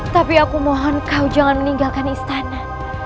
tapi aku mohon kau jangan meninggalkan istana